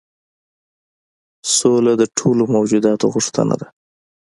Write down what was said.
سوله د ټولو موجوداتو غوښتنه ده.